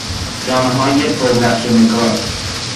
جامههای پر نقش و نگار